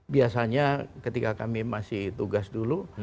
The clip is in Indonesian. biasanya ketika kami masih tugas dulu